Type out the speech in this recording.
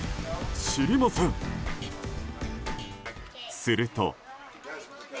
すると。